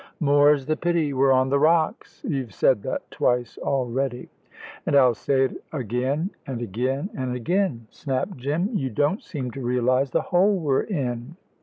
"More's the pity. We're on the rocks " "You've said that twice already." "An' I'll say it again and again and again," snapped Jim. "You don't seem to realise the hole we're in."